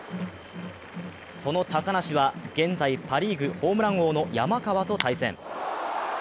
その高梨は現在はパ・リーグホームラン王の山川と対戦。